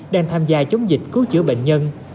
đang tham gia chống dịch cứu chữa bệnh nhân